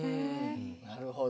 なるほど。